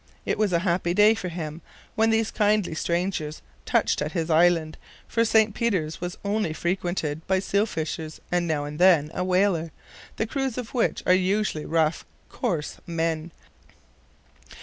It was a happy day for him when these kindly strangers touched at his island, for St. Peter's was only frequented by seal fishers, and now and then a whaler, the crews of which are usually rough, coarse men.